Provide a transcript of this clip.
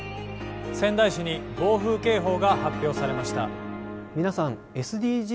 仙台市に暴風警報が発表されました。